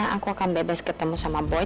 aku akan bebas ketemu sama boy